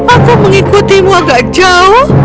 aku mengikutimu agak jauh